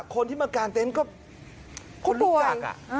คนที่มาการเต้นก็ลึกกัก